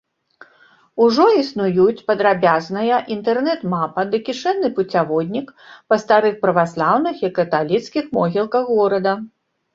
Ужо існуюць падрабязная інтэрнэт-мапа ды кішэнны пуцяводнік па старых праваслаўных і каталіцкіх могілках горада.